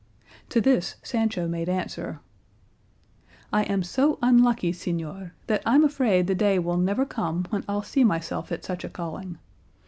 To this Sancho made answer, "I am so unlucky, señor, that I'm afraid the day will never come when I'll see myself at such a calling.